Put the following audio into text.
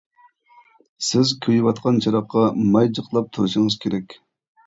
سىز كۆيۈۋاتقان چىراغقا ماي جىقلاپ تۇرۇشىڭىز كېرەك.